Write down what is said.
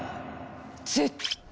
絶対！